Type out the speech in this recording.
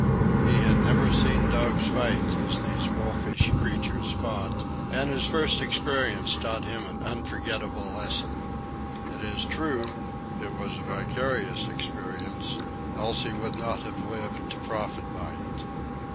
He had never seen dogs fight as these wolfish creatures fought, and his first experience taught him an unforgetable lesson. It is true, it was a vicarious experience, else he would not have lived to profit by it.